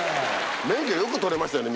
免許よく取れましたよね